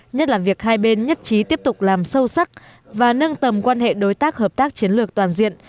nhất là việc hai bên nhất trí tiếp tục làm sâu sắc và nâng tầm quan hệ đối tác hợp tác chiến lược toàn diện